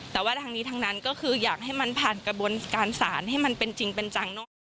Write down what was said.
แต่ว่าทั้งนี้ทั้งนั้นก็คืออยากให้มันผ่านกระบวนการสารให้มันเป็นจริงเป็นจังเนอะ